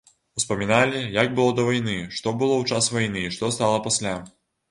Успаміналі, як было да вайны, што было ў час вайны і што стала пасля.